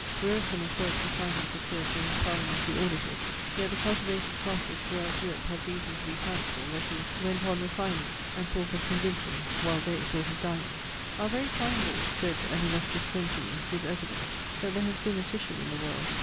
Wearisome as Burke's refinements appeared to his parliamentary auditors, yet the cultivated classes throughout Europe have reason to be thankful, that he went on refining, And thought of convincing, while they thought of dining. Our very sign boards, (said an illustrious friend to me,) give evidence, that there has been a Titian in the world.